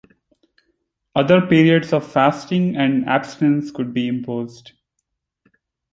Other periods of fasting and abstinence could be imposed.